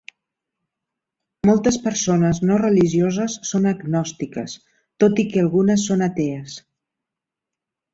Moltes persones no religioses són agnòstiques, tot i que algunes són atees.